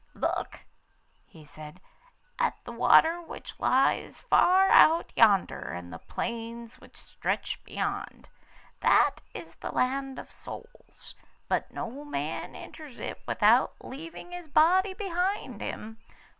'Look,' he said, 'at the water which lies far out yonder, and the plains which stretch beyond. That is the Land of Souls, but no man enters it without leaving his body behind him.